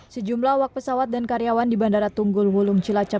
sejumlah awak pesawat dan karyawan di bandara tunggul wulung cilacap